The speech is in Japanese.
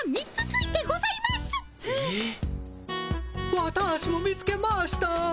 ワタ−シも見つけました！